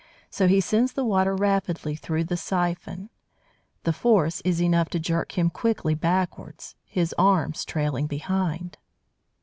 So he sends the water rapidly through the siphon; the force is enough to jerk him quickly backwards, his "arms" trailing behind.